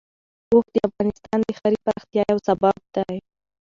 اوښ د افغانستان د ښاري پراختیا یو سبب دی.